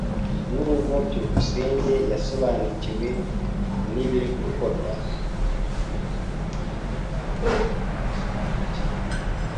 Nubwo byukusenge yasobanukiwe nibiri gukorwa, yigize nkaho atabisobanukiwe.